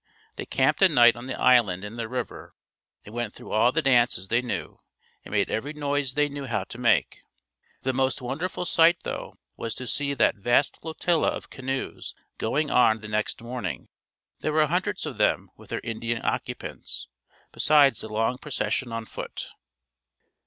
They camped a night on the island in the river and went through all the dances they knew and made every noise they knew how to make. The most wonderful sight though was to see that vast flotilla of canoes going on the next morning. There were hundreds of them with their Indian occupants, besides the long procession on foot.